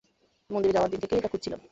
মন্দিরে যাওয়ার দিন থেকে এটা খুঁজছিলাম!